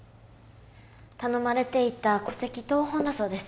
頼まれていた戸籍謄本だそうです